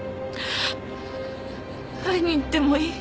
会いに行ってもいい？